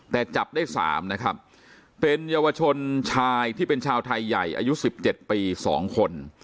แต่จับได้๓นะครับเป็นเยาวชนชายที่เป็นชาวไทยใหญ่อายุ๑๗ปี๒คน